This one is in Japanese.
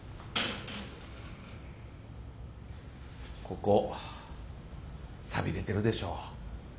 ここ寂れてるでしょ